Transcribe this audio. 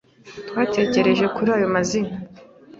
Twatekereje kuri ayo mazina